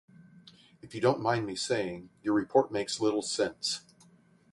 If you don't mind me saying, your report makes little sense.